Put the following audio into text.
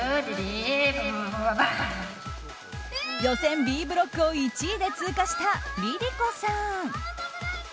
予選Ｂブロックを１位で通過したリリコさん。